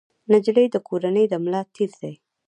نجلۍ د کورنۍ د ملا تیر دی.